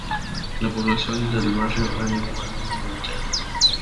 La Población del barrio ha ido variando durante años.